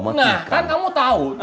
nah kan kamu tahu